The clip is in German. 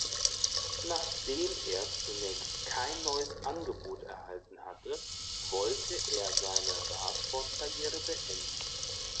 Nachdem er zunächst kein neues Angebot erhalten hatte, wollte er seine Radsportkarriere beenden.